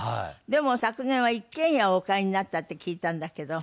でも昨年は一軒家をお買いになったって聞いたんだけど。